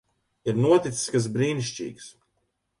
Ir noticis kas brīnišķīgs.